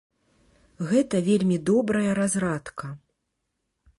Гэта вельмі добрая разрадка.